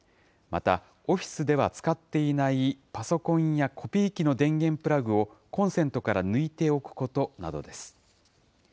また、オフィスでは使っていないパソコンやコピー機の電源プラグをコンセントから抜いておくことなどです。